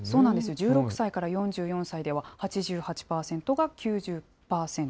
１６歳から４４歳では、８８％が９０％。